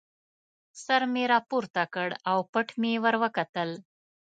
سر مې را پورته کړ او پټ مې ور وکتل.